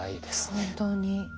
本当に。